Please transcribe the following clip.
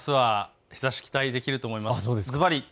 あすは日ざし、期待できると思います。